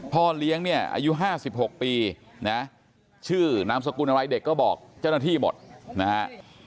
พ่อเลี้ยงเนี่ยอายุ๕๖ปีนะชื่อนามสกุลอะไรเด็กก็บอกเจ้าหน้าที่หมดนะฮะ